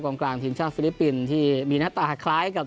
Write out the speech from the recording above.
กลางทีมชาติฟิลิปปินส์ที่มีหน้าตาคล้ายกับ